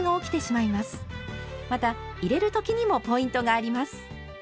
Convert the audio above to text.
また入れる時にもポイントがあります。